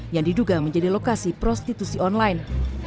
yang diduga menjadi lokasi prostitusi online